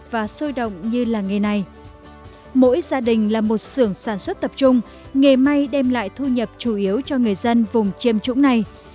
mỗi gia đình là một sưởng sản xuất tập trung nghề may đem lại thu nhập chủ yếu cho người dân vùng chiêm trũng này